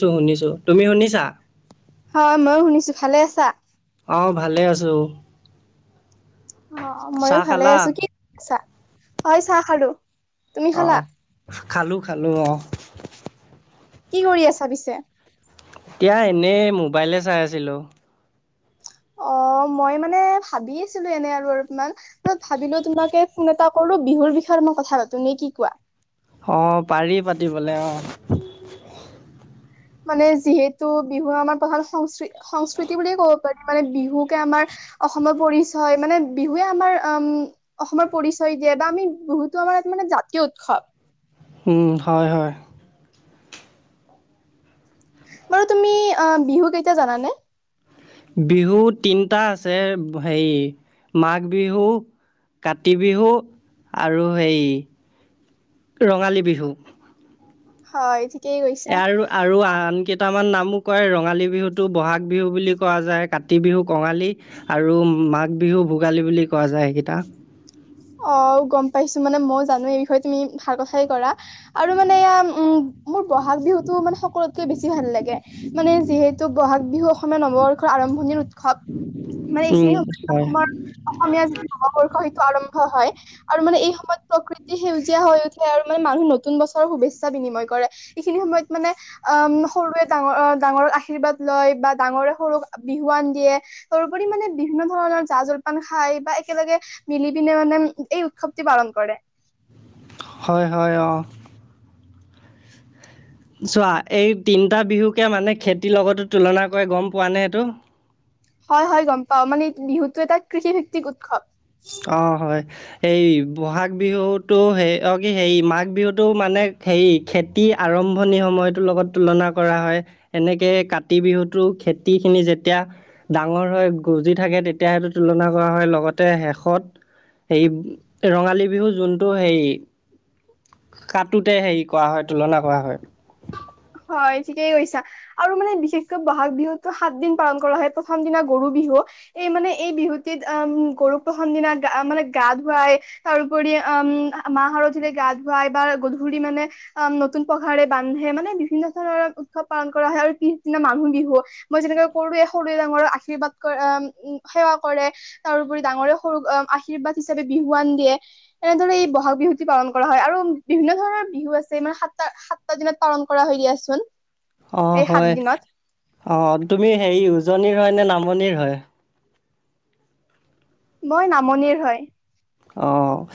শুনিছো, শুনিছো তুমি শুনিছা? হয় ময়ো শুনিছো, ভালে আছা? অ', ভালে আছোঁ। অ', ময়ো চাহ ভালে খালা আছো কি কৰিছা হয় চাহ খালোঁ। অ', খালো খালো অ', কি কৰি আছা পিছে? এতিয়া এনেই মোবাইলে চাই আছিলোঁ। অ', মই মানে ভাবি আছিলো এনে আৰু অলপমান মই ভাবিলো তোমাকে ফোন এটা কৰো বিহুৰ বিষয়ে মই কথা পাতো নে কি কোৱা? অ', পাৰি পাতিবলৈ অ', মানে যিহেতু বিহু আমাৰ প্ৰধান সং সংস্কৃতি বুলিয়ে ক'ব পাৰি মানে বিহুকে আমাৰ অসমৰ পৰিচয় মানে বিহুৱে আমাৰ উম, অসমৰ পৰিচয় দিয়ে বা আমি বহুতো আমাৰ ত মানে জাতীয় উৎসৱ। উম, হয়, হয়। বাৰু তুমি অ' বিহু কেইটা জানানে? বিহু তিনিটা আছে হেৰি মাঘ বিহু, কাতি বিহু আৰু সেই ৰঙালী বিহু। হয়, ঠিকে। আৰু আৰু আন কে কেইটামান নামো কয় ৰঙালী বিহুটো, বহাগ বিহু বুলি কোৱা যায়, কাতি বিহু কঙালী আৰু মাঘ বিহু ভোগালী বুলি কোৱা যায় সেইকেইটা অ', গ'ম পাইছো মানে মই জানো এই বিষয়ে তুমি ভাল কথাই কৰা আৰু মানে এয়া উম, মোৰ বহাগ বিহুতটো মানে সকলোতকে বেছি ভাল লাগে। মানে যিহেতু বহাগ বিহু অসমীয়া নৱবৰ্ষৰ আৰম্ভণিৰ উৎসৱ। মানে উম এইখিনি সময় হয় আমাৰ অসমীয়া যি নৱবৰ্ষ সেইটো আৰম্ভ হয়। আৰু মানে এই সময়ত প্ৰকৃতি সেউজীয়া হৈ উঠে আৰু মানে মানুহ নতুন বছৰৰ শুভেচ্ছা বিনিময় কৰে। এইখিনি সময়ত মানে আহ সৰুৱে ডাঙৰ ডাঙৰক আশীৰ্বাদ লয় বা ডাঙৰে সৰুক বিহুৱান দিয়ে। তাৰোপৰি মানে বিভিন্ন ধৰণৰ জা জলপান খাই বা একেলগে মিলি পিনে মানে এই উৎসৱটি পালন কৰে। হয়, হয়, অ'। চোৱা এই তিনিটা বিহুকে মানে খেতিৰ লগতো তুলনা কৰে গ'ম পোৱা নে এইটো? হয়, হয়, গ'ম পাওঁ মানে বিহুতটো এটা কৃষি ভিত্তিক উৎসৱ। অ', হয়। এইে বহাগ বিহুটো সে কি হেৰি মাঘ বিহুটো মানে হেৰি খেতি আৰম্ভণি সময়টোৰ লগত তুলনা কৰা হয়। এনেকে কাতি বিহুতো খেতি খিনি যেতিয়া ডাঙৰ হৈ গজি থাকে তেতিয়া সেটো তুলনা কৰা হয় লগতে শেষত হেই ৰঙালী বিহু যোনটো হেৰি কাটোতে হেৰি কৰা হয় তুলনা কৰা হয়। হয় ঠিকেই কৈছা। আৰু মানে বিশেষকৈ বহাগ বিহুতটো সাত দিন পালন কৰা হয় প্ৰথম দিনা গৰু বিহু এই মানে এই বিহুটিত আ গৰু প্ৰথম দিনা গা মানে গা ধুৱাই তাৰোপৰি উম, মাহ হালধিয়ে গা ধুৱাই বা গধূলি মানে আ নতুন পঘাৰে বান্ধে মানে বিভিন্ন ধৰণৰ উৎসৱ পালন কৰা হয় আৰু পিছদিনা মানুহ বিহু। মই যেনেকৈ কৰো সৰুে ডাঙৰক আৰ্শীৰ্বাদ সেৱা কৰে। তাৰপৰি ডাঙৰে সৰু আৰ্শীৰ্বাদ হিচাপে বিহুৱান দিয়ে। এনেদৰে এই বহাগ বিহু ি পালন কৰা হয় আৰু বিভিন্ন ধৰণৰ বিহু আছে মানে সাতটা সাতটা দিনত পালন কৰা হয় দিয়াচোন। অ', এই সাত হয় দিনত অ তুমি হেৰি উজনিৰ হয় নে নামনিৰ হয়? মই নামনিৰ হয়। অঁ'।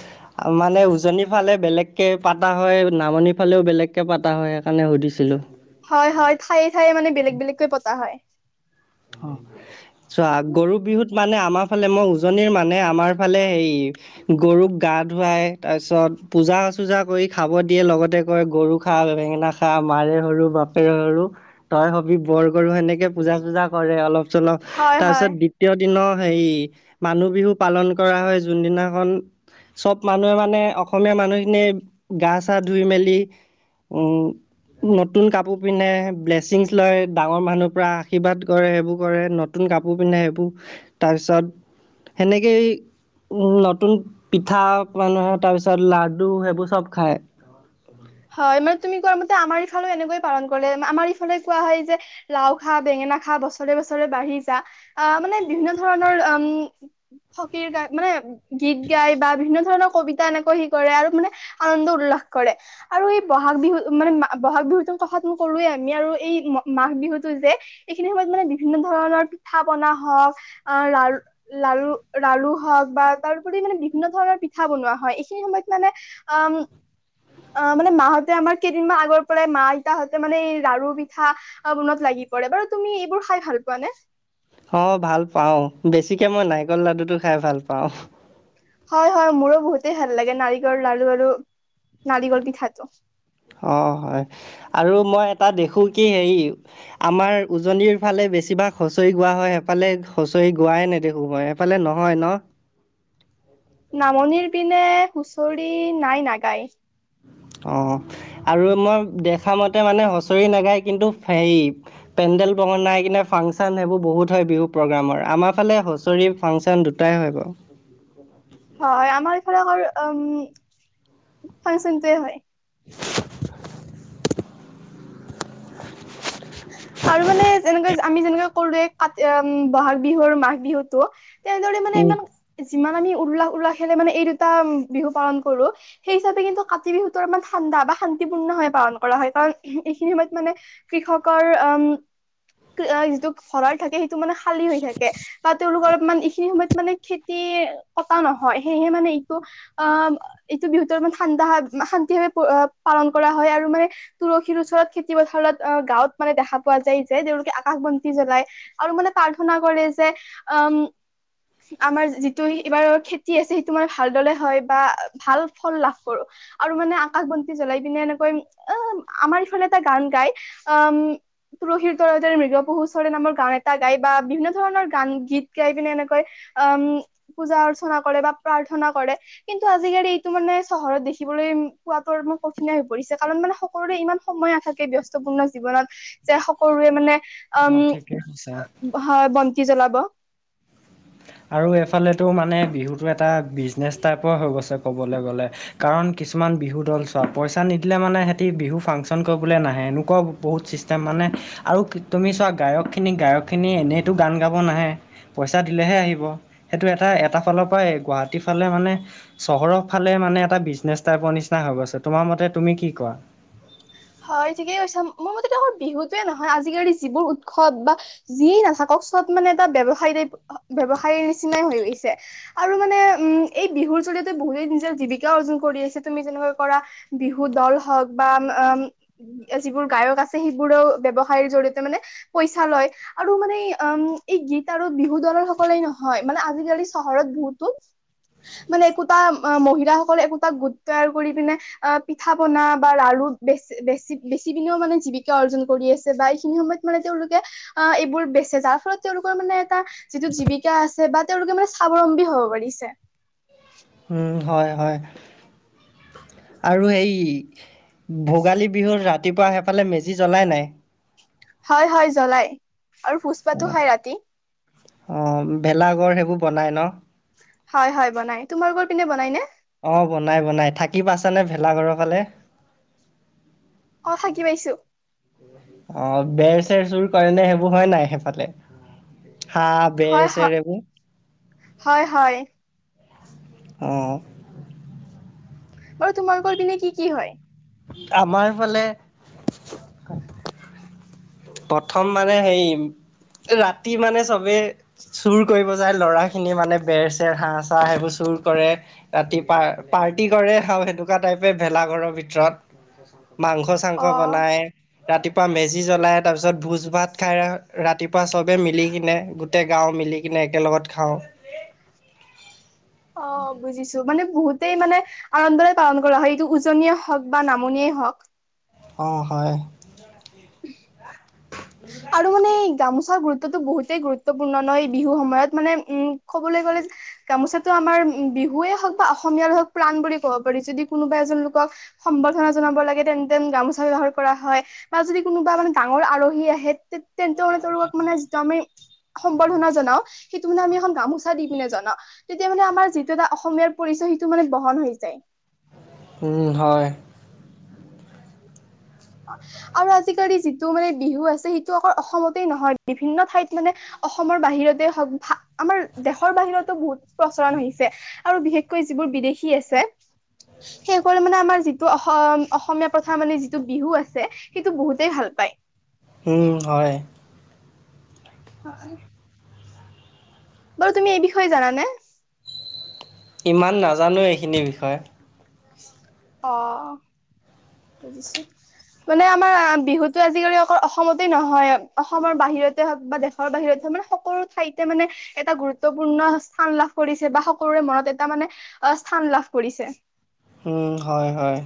মানে উজনিৰ ফালে বেলেগকৈ পতা হয় নামনিৰ ফালেও বেলেগকৈ পতা হয় সেইকাৰণে সুধিছিলোঁ। হয় হয় ঠায়ে ঠায়ে মানে বেলেগ বেলেগকৈ পতা হয়। অ', চোৱা গৰু বিহুত মানে আমাৰ ফালে মই উজনিৰ মানে আমাৰ ফালে হেই গৰুক গা ধুৱাই তাৰ পিছত পূজা চূজা কৰি খাব দিয়ে লগতে কয় গৰু খা বেঙেনা খা মাৰে সৰু বাপেৰে সৰু তই হবি বৰ গৰু সেনেকে পূজা চূজা কৰে অলপ চলপ হয় হয় তাৰপিছত দ্বিতীয় দিনৰ হেৰি মানুহ বিহু পালন কৰা হয় যোনদিনাখন চব মানুহে মানে অসমীয়া মানুহখিনিয় গা চা ধুই মেলি উম, নতুন কাপোৰ পিন্ধে ব্লেচিংছ লয় ডাঙৰ মানুহৰ পৰা আশীৰ্বাদ কৰে সেইবোৰ কৰে নতুন কাপোৰ পিন্ধে সেইবোৰ তাৰপিছত সেনেকেই নতুন পিঠা মানুহে তাৰপিছত লাডু সেইবোৰ চব খায়। হয় মানে তুমি কোৱা মতে আমাৰ ইফালে এনেকয়ে পালন কৰিলে আমাৰ ইফালে কোৱা হয় যে লাও খা বেঙেনা খা বছৰে বছৰে বাঢ়ি যা আহ মানে বিভিন্ন ধৰণৰ উম সকীৰ গ মানে গীত গাই বা বিভিন্ন ধৰণৰ কবিতা এনেকৈ সি কৰে আৰু মানে আনন্দ উল্লাস কৰে। আৰু এই বহাগ বিহু মানে বহাগ বিহুতৰ কথাাতনো কলোৱে আমি আৰু এই মাঘ বিহুতটো যে এইখিনি সময়ত মানে বিভিন্ন ধৰণৰ পিঠা পনা হওক আহ লাৰু লাৰু লাৰু হওক বা তাৰপৰি মানে বিভিন্ন ধৰণৰ পিঠা বনোৱা হয় এইখিনি সময়ত মানে অ' অ', মানে মাহঁতে আমাৰ কেইদিনমান আগৰ পৰাই মা আইতাহঁতে মানে এই লাৰু পিঠা বনোৱাত লাগি পৰে বাৰু তুমি এইবোৰ খাই ভাল পোৱা নে? অ', ভাল পাওঁ বেছিকে মই নাৰিকল লাডু টো খাই ভাল পাওঁ। হয় হয় মোৰো বহুতেই ভাল লাগে নাৰিকল লাৰু আৰু নাৰিকল পিঠাটো। অ', হয় আৰু মই এটা দেখো কি হেৰি আমাৰ উজনিৰ ফালে বেছিভাগ হুঁচৰি গোৱা হয় সেইফালে হুঁচৰি গোৱাই নেদেখো মই। সেইফালে নহয় ন? নামনিৰ পিনে হুঁচৰি নাই নাগায়। অ, আৰু মই দেখামতে মানে হুঁচৰি নাগায় কিন্তু হেৰি পেণ্ডেল বনাই কিনে ফাংচন সেইবোৰ বহুত হয় বিহু প্ৰগেমৰ। আমাৰ ফালে হুঁচৰি ফাংচন দুটাই হয় বাৰু। হয়, আমাৰ এইফালে অকল উম ফাংচনটোয়ে হয়। আৰু মানে যেনেকৈ আমি যেনেক কৰো এ কাতি উম ব'হাগ বিহুৰ মাঘ বিহুতো তেনেদৰে মানে উম। ইমান যিমান আমি উল্লাস উল্লাসেৰে মানে এই দুটা বিহু পালন কৰো সেই হিচাপে কিন্তু কাতি বিহুটোৰ আমাৰ ঠাণ্ডা বা শান্তিপূৰ্ণভাৱে পালন কৰা হয় কাৰণ এইখিনি সময়ত মানে কৃষকৰ উম যিটো ভঁৰাল থাকে মানে খালী হৈ থাকে বা তেওঁলোকৰ অলপমান এইখিনি সময়ত মানে খেতি কটা নহয় সেইয়েহে মানে এইটো আ এইটো বিহুতৰ মানে ঠাণ্ডা শান্তিভাৱে পালন কৰা হয় আৰু মানে তুলসীৰ ওচৰত, খেতি-পথাৰত, অ গাঁৱত মানে দেখা পোৱা যায় যে তেওঁওলোকে আকাশ বন্তি জ্বলাই। আৰু মানে প্ৰাৰ্থনা কৰে যে উম আমাৰ যিটো এইবাৰ খেতি আছে সেইটো মানে ভালদলে হয় বা ভাল ফল লাভ কৰো। আৰু মানে আকাশ বন্তি জ্বলাই পিনে এনেকৈ অ আমাৰ এইফালে এটা গান গাই উম তুলসীৰ তলে তলে মৃগ পহু চৰে নামৰ গান এটা গাই বা বিভিন্ন ধৰণৰ গান গীত গাই পিনে এনেকৈ উম পূজা অৰ্চনা কৰে বা প্ৰাৰ্থনা কৰে। কিন্তু আজিকালি এইটো মানে চহৰত দেখিবলৈ পোৱাটো কঠিন হৈ পৰিছে কাৰণ মানে সক সকলোৰে ইমান সময় নাথাকে ব্যস্তপূৰ্ণ জীৱনত। যে সকলোৱে মানে উম ঠিকে কৈছা। হয় বন্তি জ্বলাব। আৰু এইফালেতো মানে বিহুটো এটা বিজনেছ টাইপৰ হৈ গৈছে ক'বলে গ'লে। কাৰণ কিছুমান বিহুদল চোৱা পইচা নিদিলে মানে ইহেতি বিহু ফাংচন কৰিবলে নাহে এনেকুৱা বহুত চিষ্ট চিষ্টেম মানে আৰু তুমি চোৱা গায়কখিনি গায়কখিনি এনেইটো গান গাব নাহে পইচা দিলেহে আহিব সেইটো এটা এটা ফালৰ পৰা গুৱাহাটী ফালে মানে চহৰৰ ফালে মানে এটা বিজনেছ টাইপৰ নিচিনা হৈ গৈছে তোমাৰ মতে তুমি কি কোৱা? হয় ঠিকেই কৈছা, মোৰ মতে দেখোন বিহুটোৱে নহয় আজিকালি যিবোৰ উৎসৱ বা যিয়েই নাথাকক চব মানে এটা ব্যৱসায়ী টাইপ ব্যৱসায়ীৰ নিচিনাইয়ে হৈ গৈছে। আৰু মানে উম এই বিহুৰ জৰিয়তে বহুতেই নিজৰ জীৱিকা অৰ্জন কৰি আছে তুমি যেনেকৈ কৰা বিহুদল হওক বা আ যিবোৰ গায়ক আছে সেইবোৰেও ব্যৱসায়ৰ জৰিয়তে মানে পইচা লয়। আৰু মানে উম এই গীত আৰু বিহু দলৰ সকলেই নহয় মানে আজিকালি চহৰত বহুতো মানে একোটা মহিলাসকলে একোটা গোট তৈয়াৰ কৰি পিনে আ পিঠা-পনা বা লাৰু বেচি বেচি বেচি পিনেও মানে জীৱিকা অৰ্জন কৰি আছে বা এইখিনি সময়ত মানে তেওঁলোকে আ, এইবোৰ বেচে যাৰ ফলত তেওঁলোকৰ মানে এটা যিটো জীৱিকা আছে বা তেওঁলোকে মানে স্বাৱলম্বী হ'ব পাৰিছে। উম হয় হয় আৰু এই ভোগালী বিহুত ৰাতিপুৱা সেইফালে মেজি জ্বলাই নাই? হয় হয় জ্বলাই আৰু অ ভোজ-ভাতো খাই ৰাতি। অ, ভেলাঘৰ সেইবোৰ বনাই ন? হয় হয় বনাই। তোমালোকৰ পিনে বনাই নে? অ বনাই বনাই। থাকি পাইছানে ভেলাঘৰৰ ফালে? অ থাকি পাইছো। অ বেৰ-চেৰ চুৰ কৰে নে, সেইবোৰ হয় নাই সেইফালে হাঁহ বেৰ হয় হয় চেৰ এইবোৰ হয় হয়। অ'। বাৰু তোমালোকৰ পিনে কি কি হয়? আমাৰ ফালে প্ৰথম মানে সেই, ৰাতি মানে চবে চুৰ কৰিব যায়, ল'ৰাখিনি মানে বেৰ চেৰ হাঁহ চাঁহ সেইবোৰ চুৰ কৰে। ৰাতি পা পাৰ্টি কৰে আৰু সেনেকুৱা টাইপে ভেলাঘৰৰ ভিতৰত, মাংস অ মাংস বনাই, ৰাতিপুৱা মেজি জ্বলাই। তাৰপিছত ভোজ ভাত খাই, ৰাতিপুৱা চবেই মিলি কিনে, গোটেই গাঁৱ মিলি কিনে একেলগত খাওঁ। অ' বুজিছো মানে বহুতেই মানে আনন্দৰে পালন কৰা হয়, এইটো উজনিয়েই হওক বা নামনিয়েই হওক। অ' হয়। উম। আৰু মানে গামোচাৰ গুৰুত্বটো বহুতেই গুৰুত্বপূৰ্ণ ন এই বিহু সময়ত মানে, উম, ক'বলৈ গ'লে গামোচাটো আমাৰ বিহুৱে হওক বা অসমীয়াৰ হওক প্ৰাণ বুলি ক'ব পাৰি, যদি কোনোবা এজন লোকক সম্বৰ্ধনা জনাব লাগে, তেন্তে গামোচা ব্যৱহাৰ কৰা হয়, বা যদি কোনোবা মানে ডাঙৰ আলহী আহে সেই তে তেন্তে মানে তেওঁলোকক মানে যেতিয়া আমি সম্বৰ্ধনা জনাও, সেইটো মানে আমি এখন গামোচা দি পিনে জনাও। তেতিয়া মানে আমাৰ যিটো এটা অসমীয়াৰ পৰিচয় সেইটো মানে বহন হৈ যায়। উম হয়। আৰু আজিকালি যিটো মানে বিহু আছে, সেইটো আকৌ অসমতে নহয় বিভিন্ন ঠাইত মানে অসমৰ বাহিৰতে হওক, আমাৰ দেশৰ বাহিৰতো বহুত প্ৰচলন আহিছে। আৰু বিশেষকৈ যিবোৰ বিদেশী আছে। সেই কৰি মানে আমাৰ যিটো অস অসমীয়া প্ৰথা মানে টো বিহু আছে, সেইটো বহুতেই ভাল পায়। উম, হয়। হয়। বাৰু তুমি এই বিষয়ে জানে? ইমান নাজানো এইখিনি বিষয়ে। অ' বুজিছো। মানে আমাৰ বিহুতো আজিকালি অকল অসমতে নহয়, অসমৰ বাহিৰতে হওক বা দে ৰ বাহিৰত হয় মানে সকলো ঠাইতে মানে এটা গুৰুত্বপূৰ্ণ স্থান লাভ কৰিছে, বা সকলোৰে মনত এটা মানে আ স্থান লাভ কৰিছে। উম, হয় হয়।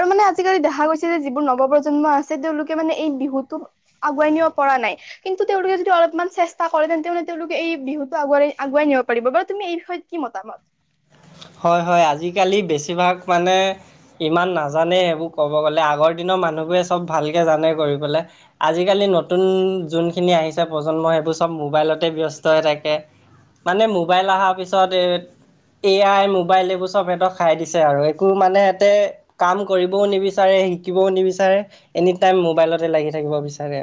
আৰু মানে আজিকালি দেখা গৈছে যে যিবোৰ নৱ প্ৰ্ৰজন্ম আছে, তেওঁলোকে মানে এই বিহুতো আগুৱাই নিব পৰা নাই। কিন্তু তেওঁলোকে যদি অলপমান চেষ্টা কৰে, তেন্তে হলে তেওঁলোকে এই বিহুতটো আগুৱাই আগুৱাই নিব পাৰিব বাৰু তুমি এই বিষয়ত কি মতামত? হয় হয়, আজিকালি বেছিভাগ মানে ইমান নাজানে, সেইবোৰ ক'ব গ'লে আগৰ দিনৰ মানুহবোৰে চব ভালকৈ জানে কৰি পেলাই। আজিকালি নতুন যোনখিনি আহিছে প্ৰজন্ম সেইবোৰ চব মোবাইলতে ব্যস্ত হৈ থাকে। মানে মোবাইল অহাৰ পিছত এই এ আই মোবাইল এইবোৰ চব সিহঁতক খাই দিছে আৰু একো মানে ইহঁতে কাম কৰিবও নিবিচাৰে শিকিবও নিবিচাৰে, এনি টাইম মোবাইলতে লাগি থাকিব বিচাৰে।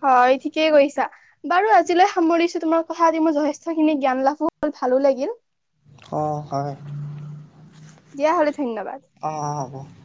হয়, ঠিকেই কৰিছা। বাৰু আজিলৈ সামৰিছো তোমাৰ কথা মোৰ যথেষ্টখিনি জ্ঞান লাভো হল, ভালো লাগিল। অ' হয়। দিয় হ'লে, ধন্যবাদ। অ'।